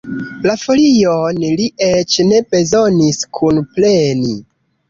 La folion li eĉ ne bezonis kunpreni!